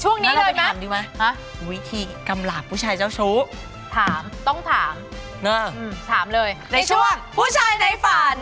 โปรดติดตามตอนต่อไป